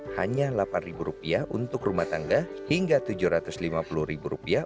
hanya delapan rupiah untuk rumah tangga hingga tujuh ratus lima puluh rupiah